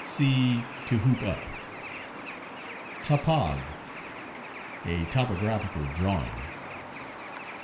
See "To hoop up." "Topog." A topographical drawing.